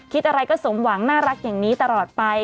คิดอะไรก็สมหวังน่ารักอย่างนี้ตลอดไป